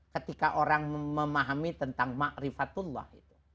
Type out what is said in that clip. ketika orang memahami tentang ma'rifatullah